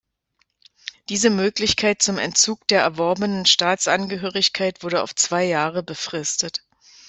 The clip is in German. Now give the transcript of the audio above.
Diese Möglichkeit zum Entzug der erworbenen Staatsangehörigkeit wurde auf zwei Jahre befristet.